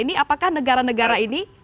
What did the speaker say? ini apakah negara negara ini